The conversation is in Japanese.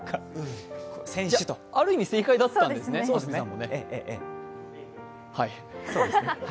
ある意味、正解だったんですね。